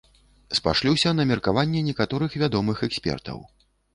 Спашлюся на меркаванне некаторых вядомых экспертаў.